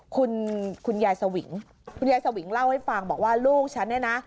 คุณคุณยายสวิงคุณยายสวิงเล่าให้ฟังบอกว่าลูกฉันเนี่ยนะ